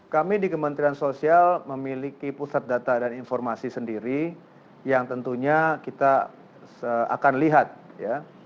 kami di kementerian sosial memiliki pusat data dan informasi sendiri yang tentunya kita akan lihat ya